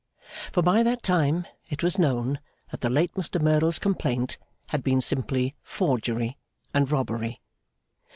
For by that time it was known that the late Mr Merdle's complaint had been simply Forgery and Robbery.